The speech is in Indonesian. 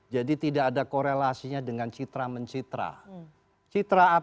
jadi tidak ada korelasinya dengan citra mencitra